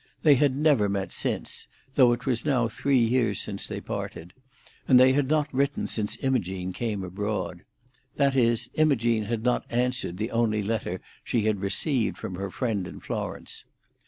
They had never met since, though it was now three years since they parted, and they had not written since Imogene came abroad; that is, Imogene had not answered the only letter she had received from her friend in Florence.